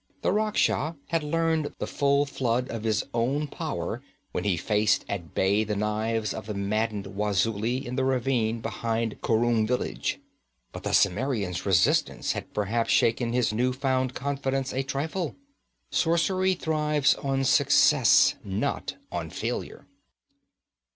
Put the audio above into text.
The Rakhsha had learned the full flood of his own power when he faced at bay the knives of the maddened Wazulis in the ravine behind Khurum village; but the Cimmerian's resistance had perhaps shaken his new found confidence a trifle. Sorcery thrives on success, not on failure.